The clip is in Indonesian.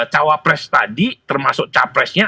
cawa pres tadi termasuk cawa presnya